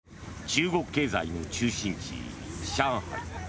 中国経済の中心地、上海。